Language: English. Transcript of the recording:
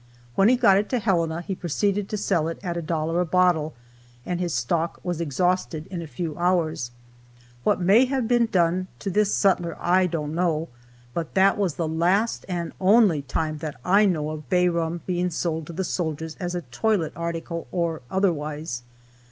When he got it to Helena he proceeded to sell it at a dollar a bottle, and his stock was exhausted in a few hours. What may have been done to this sutler I don't know, but that was the last and only time that I know of bay rum being sold to the soldiers as a toilet article, or otherwise.